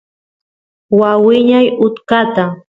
waa wiña utkata